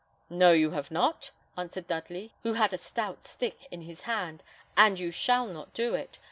"No, you have not," answered Dudley, who had a stout stick in his hand; "and you shall not do it.